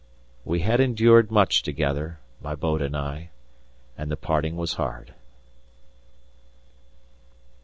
We had endured much together, my boat and I, and the parting was hard.